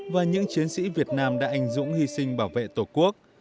và những chiến sĩ việt nam đã ảnh dũng hy sinh bảo vệ tổ quốc